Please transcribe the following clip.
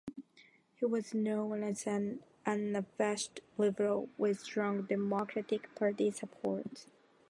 He was known as an "unabashed liberal" with strong Democratic Party support.